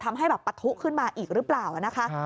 ทำให้แบบปะทุขึ้นมาอีกหรือเปล่านะคะ